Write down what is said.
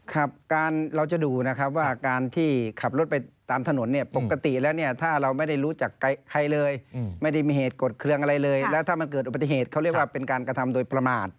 ครับการเราจะดูนะครับว่าการที่ขับรถไปตามถนนเนี่ยปกติแล้วเนี่ยถ้าเราไม่ได้รู้จักใครเลยไม่ได้มีเหตุกดเครื่องอะไรเลยแล้วถ้ามันเกิดอุบัติเหตุเขาเรียกว่าเป็นการกระทำโดยประมาท